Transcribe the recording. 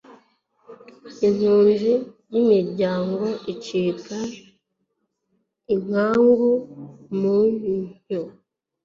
inkunzi y'imiryango icika inkangu mu nnyo